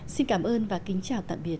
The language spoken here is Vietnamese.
xin cảm ơn và kính chào tạm biệt